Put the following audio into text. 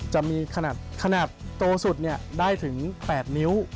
จะมีขนาดโตสุดได้ถึง๘นิ้ว